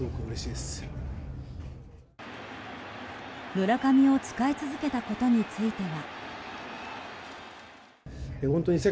村上を使い続けたことについては。